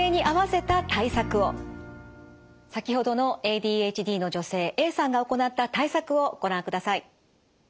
先ほどのＡＤＨＤの女性Ａさんが行った対策をご覧ください。